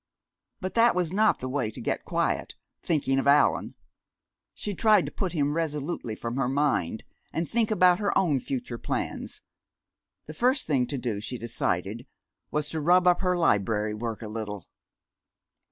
But that was not the way to get quiet thinking of Allan! She tried to put him resolutely from her mind, and think about her own future plans. The first thing to do, she decided, was to rub up her library work a little.